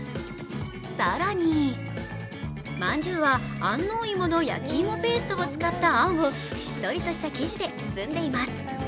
更に、まんじゅうは安納芋の焼き芋ペーストを使ったあんをしっとりとした生地で包んでいます。